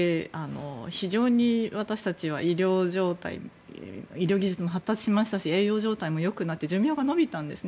非常に私たちは医療技術も発達しましたし栄養状態もよくなって寿命が延びたんですね。